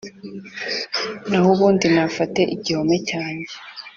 Naho ubundi nafate igihome cyanjye